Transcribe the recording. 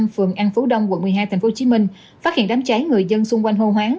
phường an phú đông quận một mươi hai tp hcm phát hiện đám cháy người dân xung quanh hô hoáng